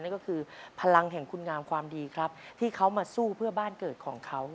นั่นก็คือพลังแห่งคุณงามความดีครับที่เขามาสู้เพื่อบ้านเกิดของเขา